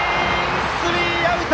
スリーアウト！